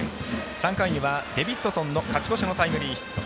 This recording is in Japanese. ３回には、デビッドソンの勝ち越しのタイムリーヒット。